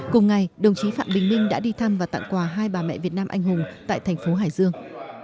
cùng ngày đồng chí phạm bình minh đã đi thăm và tặng quà hai bà mẹ việt nam anh hùng tại thành phố hải dương